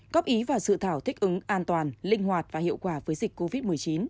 góp ý vào dự thảo thích ứng an toàn linh hoạt và hiệu quả với dịch covid một mươi chín